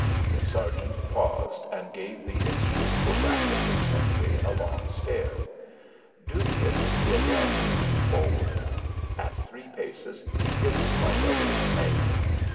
The sergeant paused and gave the inscrutable back of the sentry a long stare. Dubious he again moved forward. At three paces, he hissed like a little snake.